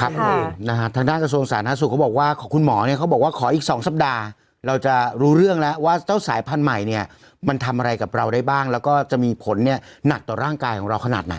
ครับทางด้านกระทั่งสวงศาลนักศึกษ์เขาบอกว่าขออีก๒สัปดาห์เราจะรู้เรื่องแล้วว่าเจ้าสายพันธุ์ใหม่เนี่ยมันทำอะไรกับเราได้บ้างแล้วก็จะมีผลเนี่ยหนัดต่อร่างกายของเราขนาดไหน